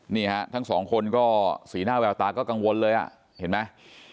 นี่ฮะทั้งสองคนก็สีหน้าแววตาก็กังวลเลยอ่ะเห็นไหม